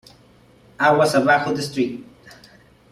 Aguas abajo de St.